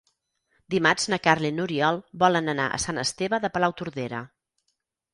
Dimarts na Carla i n'Oriol volen anar a Sant Esteve de Palautordera.